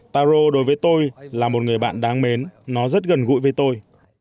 taro đối với tôi là một người bạn đáng mến nó rất gần gũi với tôi